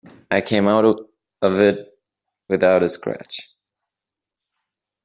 I came out of it without a scratch.